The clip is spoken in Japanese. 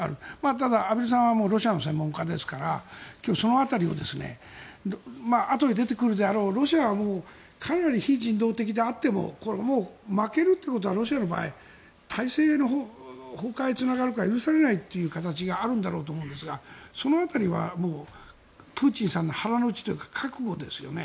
ただ、畔蒜さんはロシアの専門家ですから今日、その辺りをあとで出てくるであろうロシアはもうかなり非人道的であっても負けるっていうことはロシアの場合体制の崩壊につながるから許されないという形があるんだろうと思いますがその辺りはもうプーチンさんの腹の内というか覚悟ですよね。